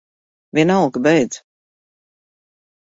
Vienalga. Beidz.